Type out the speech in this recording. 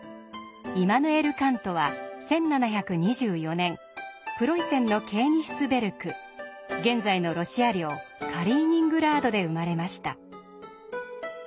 イマヌエル・カントは１７２４年プロイセンのケーニヒスベルク現在のロシア領カリーニングラードで生まれました。